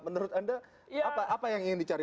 menurut anda apa yang ingin dicari